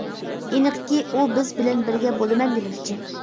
ئېنىقكى ئۇ بىز بىلەن بىرگە بولىمەن دېمەكچى.